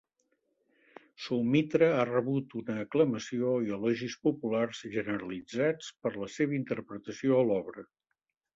Soumitra ha rebut una aclamació i elogis populars generalitzats per la seva interpretació a l'obra.